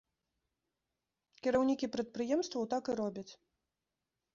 Кіраўнікі прадпрыемстваў так і робяць.